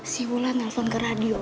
si wullah nelfon ke radio